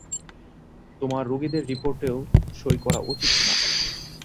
তোমার রোগীদের রিপোর্টেও সই করা উচিত না।